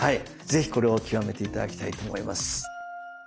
是非これを極めて頂きたいと思います。